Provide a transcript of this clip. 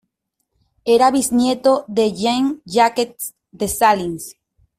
Era bisnieto de Jean-Jacques Dessalines.